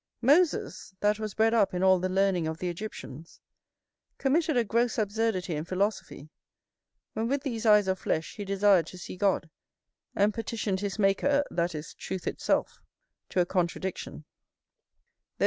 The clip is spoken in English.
Moses, that was bred up in all the learning of the Egyptians, committed a gross absurdity in philosophy, when with these eyes of flesh he desired to see God, and petitioned his Maker, that is truth itself, to a contradiction.